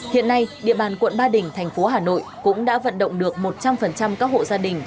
hiện nay địa bàn quận ba đình thành phố hà nội cũng đã vận động được một trăm linh các hộ gia đình